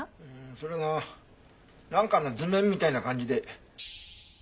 それがなんかの図面みたいな感じで。